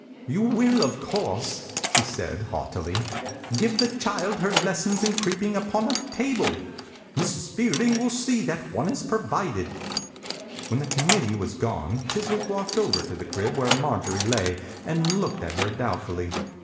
"You will, of course," she said, haughtily, "give the child her lessons in creeping upon a 49 THE INCUBATOR BABY table. Mrs. Fielding will see that one is provided." When the committee was gone Chiswick walked over to the crib where Marjorie lay and looked at her doubtfully.